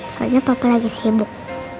soalnya papa lagi sibuk